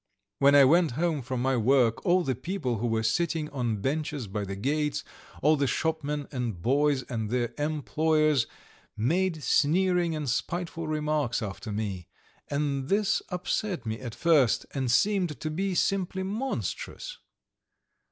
When I went home from my work, all the people who were sitting on benches by the gates, all the shopmen and boys and their employers, made sneering and spiteful remarks after me, and this upset me at first and seemed to be simply monstrous.